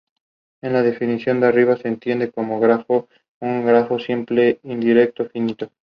Esta previsión es clave para asegurar que la piscina permanezca en buen estado.